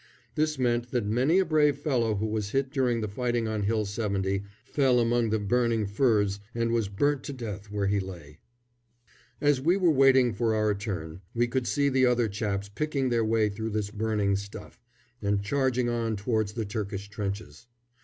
This meant that many a brave fellow who was hit during the fighting on Hill 70 fell among the burning furze and was burned to death where he lay. [Illustration: To face p. 4. CHOCOLATE HILL.] As we were waiting for our turn, we could see the other chaps picking their way through this burning stuff, and charging on towards the Turkish trenches.